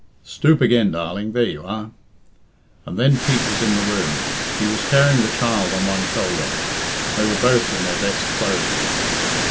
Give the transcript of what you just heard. "Stoop again, darling. There you are." And then Pete was in the room. He was carrying the child on one shoulder; they were both in their best clothes.